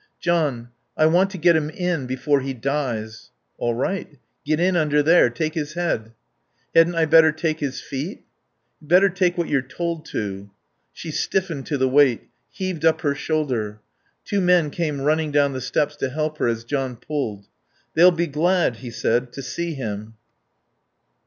"John I want to get him in before he dies." "All right. Get in under there. Take his head." "Hadn't I better take his feet?" "You'd better take what you're told to." She stiffened to the weight, heaved up her shoulder. Two men came running down the steps to help her as John pulled. "They'll be glad," he said, "to see him."